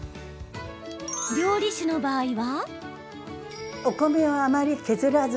料理酒の場合は。